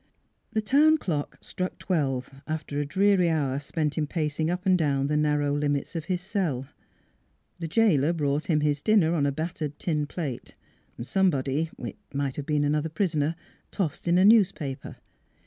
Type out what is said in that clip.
The town clock struck twelve, after a dreary hour spent in pacing up and down the narrow limits of his cell. The jailer brought him his din ner on a battered tin plate. Somebody it might have been another prisoner tossed in a news paper.